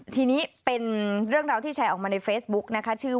ทีนี้เป็นเรื่องราวที่แชร์ออกมาในเฟซบุ๊กนะคะชื่อ